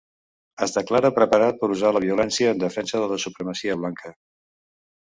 Es declara preparat per usar la violència en defensa de la supremacia blanca.